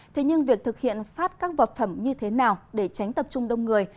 thế nhưng việc thực hiện phát các vật phẩm như thế nào để tránh tập trung đông người